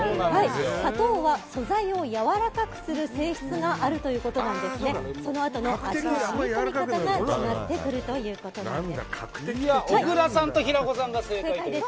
砂糖は素材をやわらかくする性質があるということでそのあとの味の染み込み方が変わってくるということです。